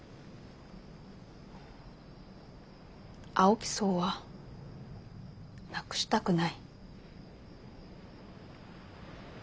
青木荘はなくしたくない。